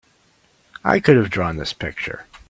I could have drawn this picture!